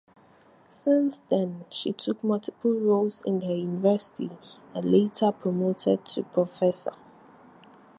Since then she took multiple roles in her university and later promoted to professor.